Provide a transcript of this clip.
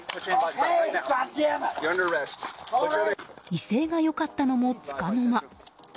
威勢が良かったのも、つかの間。